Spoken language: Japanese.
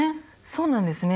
そうなんですね